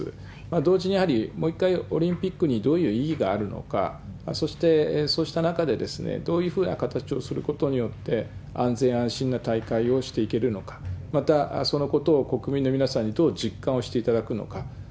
同時に、やはりもう一回オリンピックにどういう意義があるのか、そしてそうした中で、どういうふうな形をすることによって、安全安心な大会をしていけるのか、またそのことを国民の皆さんにどう実感していただくのか。